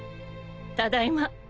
ただいま。